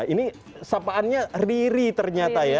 ini sapaannya riri ternyata ya